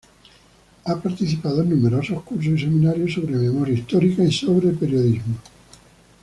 Ha participado en numerosos cursos y seminarios sobre memoria histórica y sobre periodismo.